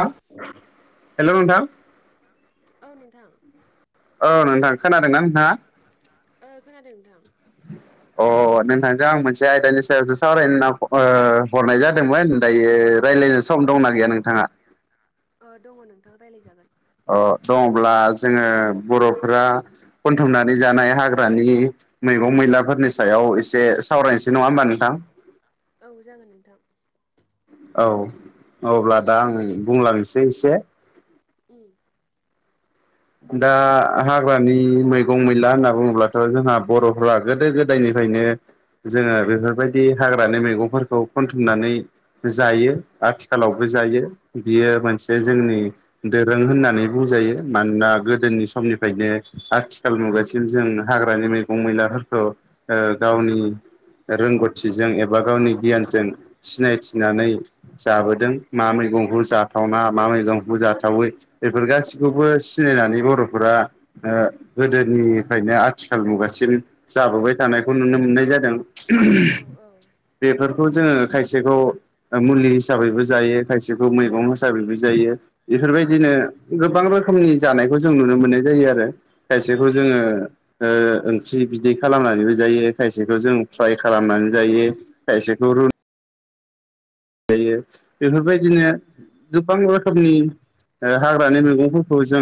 हेल' नोंथां औ नोंथां औ नोंथां खोनादों ना नोंथाङा ओ खोनादों नोंथां अ नोंथां आं मोनसे आयदानि सायावसो सावरायनो होनना ओ हरनाय जादोंमोन दायो रायज्लायनो सम दंना गैया नोंथाङा दङ नोंथाङा रायज्लायजागोन अ दङब्ला जोङो बर'फोरा खनथुमनानै जानाय हाग्रानि मैगं मैलाफोरनि सायाव एसे सावरायनोसै नङा होमबा नोंथां औ जागोन नोंथां औ अब्ला दा आं बुंलांनोसै एसे उम दा हाग्रानि मैगं मैला होनना बुङोब्लाथ' जोंहा बर'फोरा गोदो गोदायनिफ्रायनो जोङो बेफोरबायदि हाग्रानि मैगंफोरखौ खनथुमनानै जायो आथिखालावबो जायो बियो मोनसे औ जोंनि दोरों होननानै बुजायो मानो दा गोदोनि समनिफ्रायनो आथिखाल मुगासिम जों हाग्रानि मैगं मैलाफोरखौ ओ गावनि रोंगौथिजों एबा गावनि गियानजों सिनायथिनानै जाबोदों मा मैगंखौ जाथावना मा मैगंखौ जाथावै बेफोर गासिखौबो सिनायनानै बर'फोरा ओ गोदोनिफ्रायनो आथिखाल मुगासिम जाबोबाय थानायखौ नुनो मोननाय जादों औ बेफोरखौ जोङो खायसेखौ मुलि हिसाबैबो जायो खायसेखौ मैगं हिसाबैबो जायो औ बेफोरबायदिनो औ गोबां रोखोमनि जानायखौ जों नुनो मोननाय जायो आरो खायसेखौ जोङो ओंख्रि बिदै खालामनानैबो जायो खायसेखौ जों उम फ्राय खालामनानै जायो खायसेखौ रुना जायो औ बेफोरबायदिनो गोबां रोखोमनि ओ हाग्रानि मैगंफोरखौ जों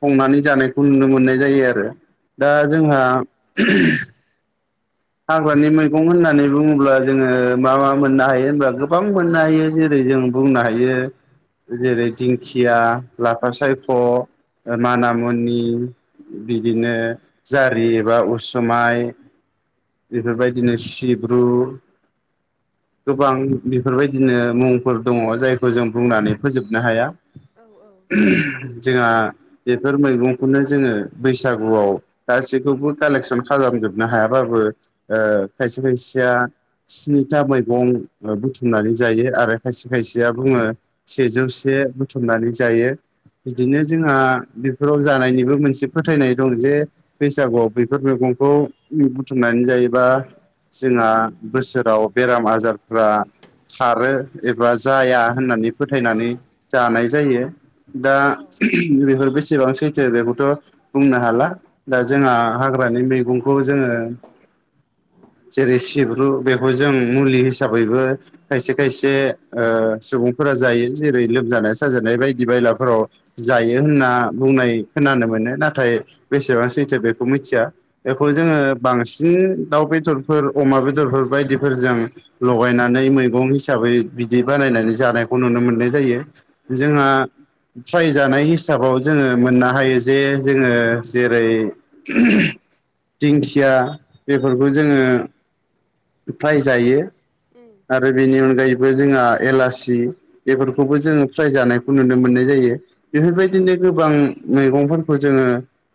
संनानै जानायखौ नुनो मोननाय जायो आरो दा औ औ जोंहा हाग्रानि मैगं होननानै बुङोब्ला जोङो मा मा मोननो हायो होनबब्ला गोबां मोननो हायो जेरै जों बुंनो हायो जेरै दिंखिया लाफा सायख' मानामुनि बिदिनो जारि एबा उसुमाइ बेफोरबायदिनो सिब्रु गोबां बेफोरबायदिनो मुंफोर दङ जायखौ जों बुंनानै फोजोबनो हाया औ जोंहा बेफोर मैगंखौनो जोङो बैसागुआव गासैखौबो कालेक्सन खालामजोबनो हायाबाबो खायसे खायसेया स्निथा मैगं बुथुमनानै जायो आरो खायसे खायसेया बुङो सेजौसे बुथुमनानै जायो बिदिनो ओं जोंहा बेफोराव जानायनिबो मोनसे फोथायनाय दं जे बैसागुआव बेफोर मैगंखौ बुथुम बुंनानै जायोैबा जोंहा बोसोराव बेराम आजारफ्रा खारो एबा जाया होननानै फोथायनानै जानाय जायो दा ओं बेफोर बेसेबां सैथो बेखौथ' बुंनो हाला दा जोंहा हाग्रानि मैगंखौ जोङो जेरै सिब्रु बेखौ जों मुलि हिसाबैबो खायसे खायसे सुबुंफोरा जायो जेरै लोमजानाय साजानाय बायदि बायलाफोराव जायो होनना बुंनाय खोनानो मोनो नाथाय बेसेबां सैथो बेखौ मिथिया बेखौ औ जोङो औ बांसिन दाउ बेदरफोर अमा बेदरफोर बायदिफोरजों लगायनानै मैगं हिसाबै बिदि बानायनानै जानायखौ नुनो मोननाय जायो उम जोंहा ट्राय जानाय हिसाबाव जोङो मोननो हायो जे जोङो जेरै थेंक खुथिया बेफोरखौ जोङो फायजायो उ आरो बेनि अनगायैबो जोंहा एलासि बेफोरखौबो उम जोङो फ्राय जानायखौ नुनो मोननाय जायो उम बेफोरबायदिनो गोबां मैगंफोरखौ जोङो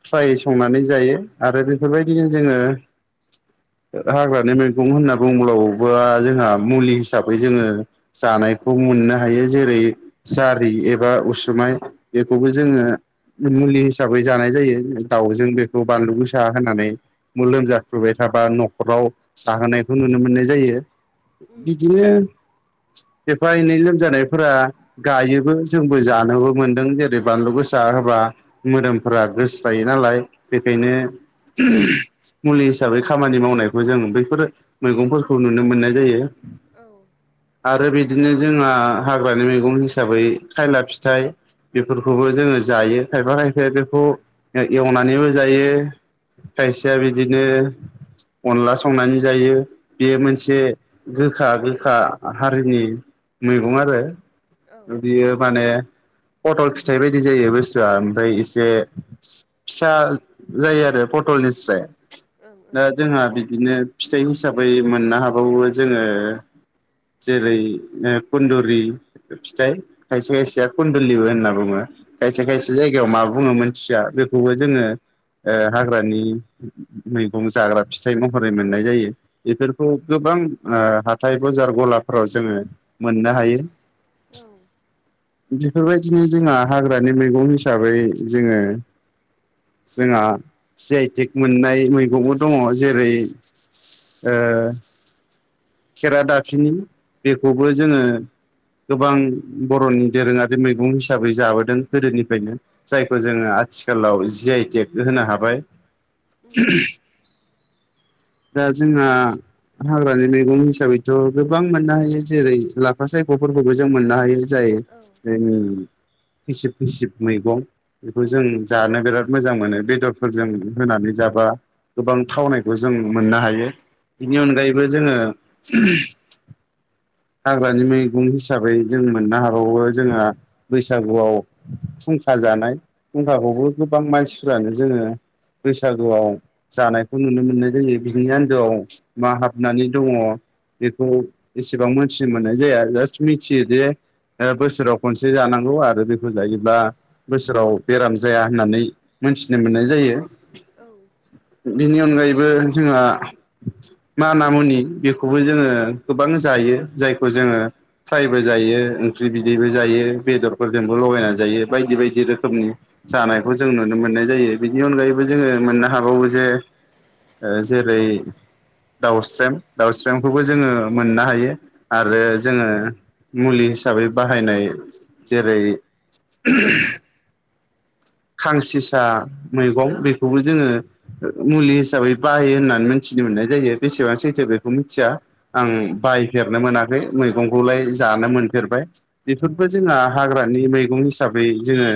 फ्राय संनानै जायो आरो उम बेफोरबायदिनो जोङो हाग्रानि मैगं होनना बुंङोब्ला जोंहा मुलि हिसाबै जोङो जानायखौ मोननो हायो जेरै जारि एबा उसुमाय उम बेखौबो उम जोङो मुलि हिसाबै जानाय जायो दाउजों बेखौ बानलु गोसा होनानै औ लोमजाथुबाय थाबा न'खराव साहोनायखौ नुनो मोननाय जायो उम बिदिनो एफा एनै लोमजानायफोरा गायोबो जोंबो जानोबो मोनदों जेरै बानलु गोसा होबा मोदोमफोरा गोसो जायो नालाय औ बेखायनो मुलि हिसाबै खामानि मावनायखौ जों बैफोर मैगंफोरखौ नुनो मोननाय जायो औ आरो बिदिनो जोंहा हाग्रानि मैगं हिसाबै खायला फिथाइ बेफोरखौबो जोङो जायो खायफा खायफाया बेखौ एवनानैबो जायो खायसेया बिदिनो अनला संनानै जायो बेयो उम मोनसे गोखा गोखा हारिनि मैगं आरो औ ओं बियो माने पथल फिथाइ बायदि जायो बुस्थुआ ओमफ्राय एसे फिसा जायो आरो पटलनिस्राय ओ दा जोंहा बिदिनो फिथाइ हिसाबै मोननो हाबावो जोङो जेरै कन्दुरि फिथाइ खायसे खायसेया कुनन्दुलिबो होनना बुङो औ खायसे औ खायसे जायगायाव मा बुङो मोनथिया बेखौबो जोङो हाग्रानि मैगं जाग्रा फिथाइ महरै मोननाय जायो बेफोरखौ जेनबा हाथथाय बजार गलाफ्राव जोङो मोननो हायो बेफोरबायदिनो जोंहा हाग्रानि मैगं हिसाबै जोङो जोंहा सि आइटिक मोननाय मैगंबो दङ जेरै ओ खेरा दाफिनि बेखौबो जोङो गोबां बर'नि दोरोङारि मैगं हिसाबै जाबोदों गोदोनिफ्रायनो जायखौ उम जोङो आथिखालाव जि आइ टेक होनो हाबाय उम दा जोंना हाग्रानि मैगं हिसाबैथ' गोबां मोननो हायो जेरै लाफा सायग'फोरखौबो जों मोननो हायो जायो औ ओं जों फिसिब फिसिब मैगं बेखौ औ जों उम जानो बिराद मोजां मोनो बेदरफोरजों होनानै जाबा गोबां थावनायखौ जों मोननो हायो बेनि अनगायैबो जोङो हाग्रानि मैगं हिसाबै जों मोननो हाबावो जोंहा बैसागुआव फुंखा जानाय फुंखाखौबो गोबां मानसिफ्रानो जोङो बैसागुआव जानायखौ नुनो मोननाय जायो बिनि आन्दोआव मा हाबनानै दङ बेखौ एसेबां मोनथिनो मोननाय जाया जास्ट मिथियो जे बोसोराव खनसे जानांगौ आरो बेखौ जायोब्ला बोसोराव बेराम जाया होननानै मोनथिनो मोननाय जायो औ बिनि अनगायैबो जोंहा माना मुनि बेखौबो जोङो गोबां जायो जायखौ जोङो फ्रायबो जायो ओंख्रि बिदैबो जायो बेदरफोरजोंबो लगायनानै जायो बायदि बायदि रोखोमनि जानायखौ जों नुनो मोननाय जायो बिनि अनगायैबो जोङो मोननो हाबावो जे जेरै दाउस्रेम दाउस्रेमखौबो जोङो मोननो हायो आरो जोङो मुलि हिसाबै बाहायनाय जेरै [unintelligible] खांसिसा मैगं बेखौबो जोङो मुलि हिसाबै बाहायो होननानै मिथिनो मोननाय जायो बेसेबां सैथो बेखौ मिथिया आं औ बायनोनो मोनाखै फ्राय औ मैगंखौलाय जानो मोनफेरबाय ओं बेफोरबो ओं जोंहा हाग्रानि मैगं हिसाबै जोङो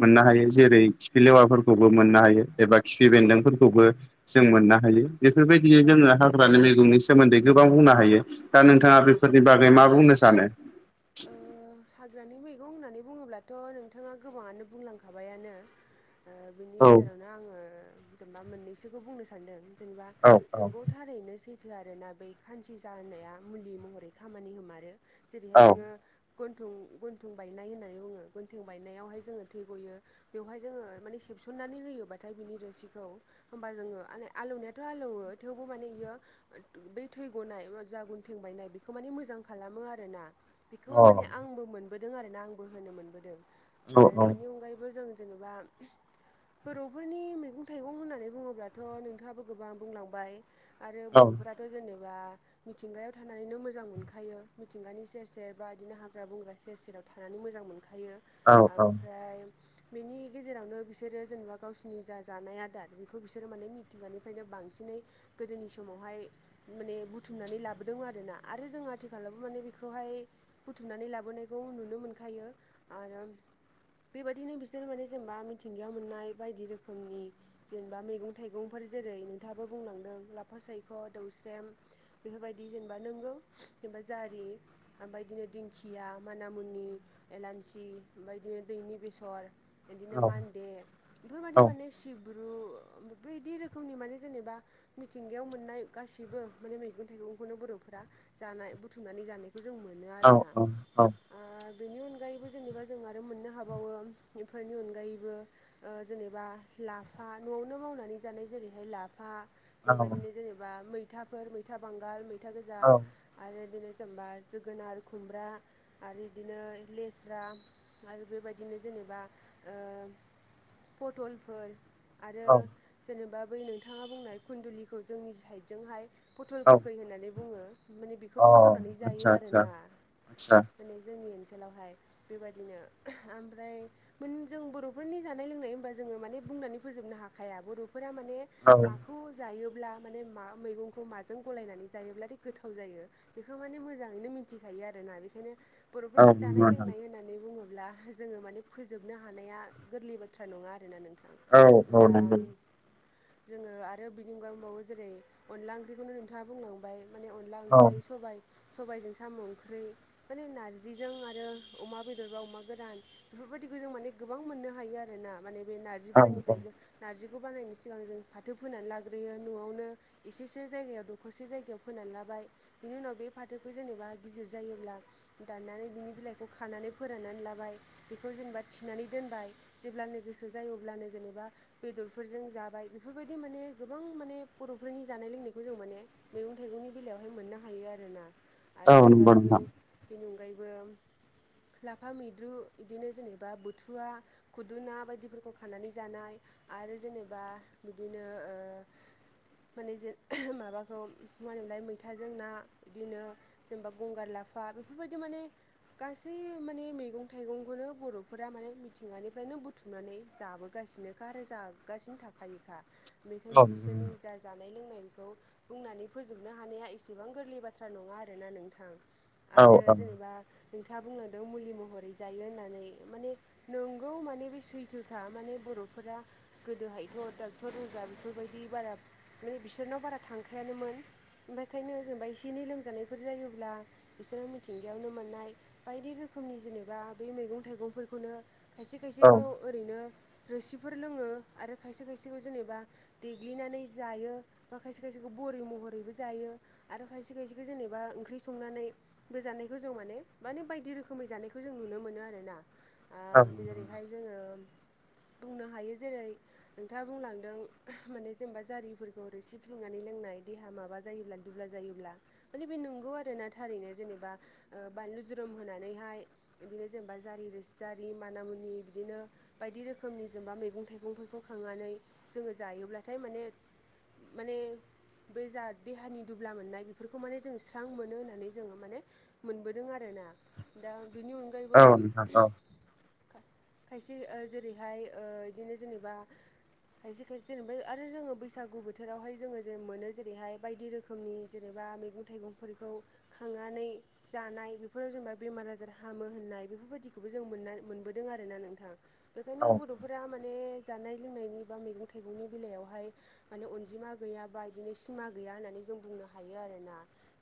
मोननो हायो जेरै खिफिलेवाफोरखौबो मोननो हायो एबा खिफि बेन्दोंफोरखौबो जों मोननो हायो बेफोरबायदिनो ओं जोङो हाग्रानि मैगंनि सोमोन्दै गोबां बुंनो हायो दा नोंथाङा ओं बेफोरनि बागै मा बुंनो सानो ओ हाग्रानि मैगं होननानै बुङोब्लाथ' नोंथाङा गोबाङानो बुंलांखाबायानो ओ बिनि औ गेजेरावनो आङो जेनेबा मोननैसोखौ बुंनो सानदों जेनेबा औ नोंगौ थारैनो सैथो आरोना बै खानसिसा होननाया मुलि महरै खामानि होमारो जेरैहाय औ नोङो गन्थं गन्थं बायनाय होननानै बुङो गन्थं बायनायावहाय जोङो थै गयो बेवहाय जोङो माने सेबसननानै होयोबाथाय बिनि रोसिखौ होमबा जोङो आलौवनायाथ' आलौवो थेवबो माने इयो बै थै गनाय जा गुन थें बायनाय बेखौ माने मोजां खालामो आरोना बेखौहा औ माने आंबो मोनबोदों आरो ना आंबो होनो मोनबोदों आरो बेनि औ अनगायैबो जों जेनेबा [inaudible] बर'फोरनि मैगं थाइगं होननानै बुङोब्लाथ' नोंथाङाबो गोबां बुंलांबाय आरो औ बर'फोराथ' जेनेबा मिथिंगायाव थानानैनो मोजां मोनखायो मिथिंगानि सेर सेर बा बिदिनो हाग्रा बंग्रा सेर सेराव थानानै मोजां मोनखायो औ ओमफ्राय बेनि गेजेरावनो बिसोरो जेनेबा गावसिनि जा जानाय आदार बेखौ बिसोरो माने मिथिंगानिफ्रायनो बांसिनै गोदोनि समावहाय माने बुथुमनानै लाबोदोंमोन आरोना आरो जों आथिखालावबो माने बेखौहाय बुथुमनानै लाबोनायखौ नुनो मोनखायो आरो बेबायदिनो बिसोरो माने जेनेबा मिथिंगायाव मोननाय बायदि रोखोमनि जेनेबा मैगं थाइगंफोर जेरै नोंथाङाबो बुंलांदों लाफा सायख' दौस्रेम बेफोरबायदि जेनेबा नोंगौ जेनेबा जारि ओमफ्राय बिदिनो दिंखिया मानामुनि एलान्सि ओमफ्राय बिदिनो दैनि बेसर बिदिनो मान्दे बेफोरबादि औ माने सिब्रु बैदि रोखोमनि माने जेनेबा मिथिंगायाव मोननाय गासैबो माने मैगं थाइगंखौनो बर'फोरा जानाय बुथुमनानै जानायखौ जों मोनो आरोना ओ बेनि अनगायैबो जेनेबा जों आरो मोननो हाबावो बेफोरनि अनगायैबो ओ जेनेबा लाफा न'आवनो मावनानै जानाय जेरैहाय लाफा बेबायदिनो जेनेबा मैथाफोर मैथा बांगाल मैथा गोजा आरो बिदिनो जेनेबा जोगोनार खुमब्रा आरो बिदिनो लेस्रा आरो बेबायदिनो जेनेबा ओ फटलफोर आरो जेनेबा बै नोंथाङा बुंनाय खुन्दुलिखौ जोंनि साइदजोंहाय फथल गोखै होननानै बुङो माने बेखौबो मावनानै जायो आरोना आतसा दिनै जोंनि ओनसोलावहाय बेबायदिनो ओमफ्राय मोन जों बर'फोरनि जानाय लोंनाय होनबा जोङो माने बुंनानै फोजोबनो हाखाया बर'फोरा माने माखौ जायोब्ला माने मा मैगंखौ माजों गलायनानै जायोब्लाथाय गोथाव जायो। बेखौ माने मोजाङैनो मिथिखायो आरोोना बेखायनो औ बर'फोरनि जानाय नंगौ लोंनाय नोंथां होननानै बुङोब्ला जोङो माने फोजोबनो हानाया गोरलै बाथ्रा नङाना नों दा जोङो आरो बिनि अनगायावै बुंबावो जेरै अनला ओंख्रिखौनो नोंथाङा बुंलांबाय माने अनला ओंख्रि सबाइ सबायाइजों साम' ओंख्रि माने नारजिजों आरो अमा बेदरबा अमा गोदान बेफोरबायदिखौ जों माने गोबां मोननो हायो आरोना माने बे नारजिफोरनिफ्राय जों नारजिखौ बानायनायनि सिगां जों फाथो फोनानै लाग्रोयो न'आवनो एसेसो जायगायाव दखरसे जायगायाव फोननानै लाबाय बिनि उनाव बे फाथोखौ जेनेबा गिदिर जायोब्ला दाननानै बिनि बिलाइखौ खानानै फोराननानै लाबाय बेखौ जेनेबा थिनानै दोनबाय जेब्लानो गोसो जायो अब्लानो जेनेबा बेदरफोरजों जाबाय बेफोरबायदि माने गोबां माने बर'फोरनि जानाय लोंनायखौ जों माने मैगं थाइगंनि बेलायावहाय मोननो हायो आर ना। औ नंगौ जेनेबानि नोंथां बेनि अनगायैबो लाफा मैद्रु बिदिनो जेनेबा बोथुवा खुदु ना बायदिफोरखौ खानानै जानाय आरो जेनेबा बिदिनो ओ माने जे माबाखौ मा होनोमोनलाय मैथाजों ना बिदिनो जेनेबा गंगार लाफा बेफोरबायदि माने गासै माने मैगं थाइगंखौनो बर'फोरा माने मिथिंगानिफ्रायनो बुथुमनानै जाबोगासिनोखा आरो जागासिनो थाखायोखा बेखायनो बिसोरनि जा जानाय लोंनायखौ बुंनानै फोजोबनो हानाया एसेबां गोरलै बाथ्रा नङा आरो आरोना नोंथां आरो जेनेबा नोंथाङा बुंनदों मुलि महरै जायो होननानै माने नोंगौ माने बे सैथोखा माने बर'फोरा गोदोहायथ' डक्टर अजा बेफोरबायदि बारा माने बिसोरनाव बारा थांखायानोमोन। ओखायनो जेनेबा एसे एनै लोमजानायफोर जायोब्ला बिसोरो मिथिंगायावनो मोननाय बायदि रोखोमनि जेनेबा बे मैगं थाइगंफोरखौनो खायसे खायसेखौ ओरैनो रोसिफोर लोङो आरो खायसे खायसेखौ जेनेबा देग्लिनानै जायो बा खायसे खायसेखौ बरि महरैबो जायो आरो खायसे खायसेखौ जेनेबा बा ओंख्रि संनानै बे जानायखौ जों माने माने बायदि रोखोमै जानायखौ जों नुनो मोनो आर ना जेरै बेहाय जोङो बुंनो हायो जेरै नोंथाङा बुंलांदों माने जेनेबा जारिफोरखौ रोसि फ्लुंनानै लोंनाय देहा माबा जायोबब्लानो दुब्ला जायोब्ला माने बे नंगौ आर ना थारैनो जेनेबा बानलु जुरोम होनानैहाय बिदिनो जेनेबा जारि रोसि जारि मान मुनि बिदिनो बायदि रोखोमनि जेनेबा मैगं थाइगंफोरखौ खांनानै जोङो जायोब्लाथाय माने माने बे जा देहानि दुब्ला मोननाय बेफोरखौ मान जों सां मोनो होननानै जो माने मोनबोदों आरोना दा बेनि अनगा [unintelligible] खायसे जेरैहाय बिदिनो जेनेबा खायसे खायसे जेनेबा आरो जोङो बैसागु बोथोरावहाय जोङो जे मोनो जेरैहाय बायदि रोखोमनि जेनेबा बा मैगं - थाइगंफोरखौ खांनानै जानाय बेफोराव जेनेबा बेमार आजार हामो होननाय बेफोरबायदिखौबो जों मोन मोनबोदों आरोना नोंथाङा बेखायनो बर'फोरा माने जानाय लोंनायनि बा मैगं थाइगंनि बेलायावहाय माने अनजिमा गैया बा बिदिनो सिमा गैया होननानै जों बुंनो हा हायो आरोोना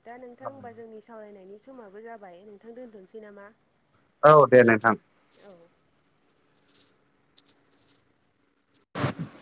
दा नोंथां हबा जोंनि सावरायनायनि समाबो जाबाय नोंथां दोन्थनोसै नामा? औ दे नोंथां। औ [inaudible]